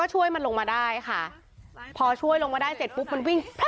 ช่วยมันลงมาได้ค่ะพอช่วยลงมาได้เสร็จปุ๊บมันวิ่ง